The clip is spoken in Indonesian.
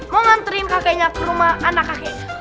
mau nganterin kakeknya ke rumah anak kakek